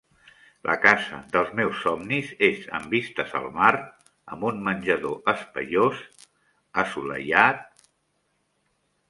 La casa dels meus somnis és amb vistes al mar, amb un menjador espaiós, assolellat...